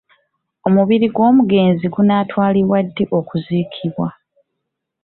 Omubiri gw'omugenzi gunaatwalibwa ddi okuziikibwa?